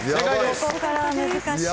ここから難しい。